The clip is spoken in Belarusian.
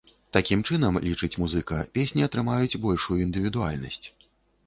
Такім чынам, лічыць музыка, песні атрымаюць большую індывідуальнасць.